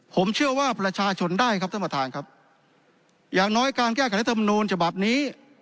ผมเชื่อว่าประชาชนได้ครับท่านประธานครับอย่างน้อยการแก้ไขรัฐมนูลฉบับนี้